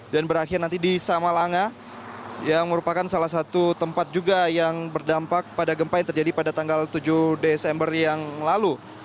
berakhir nanti di samalanga yang merupakan salah satu tempat juga yang berdampak pada gempa yang terjadi pada tanggal tujuh desember yang lalu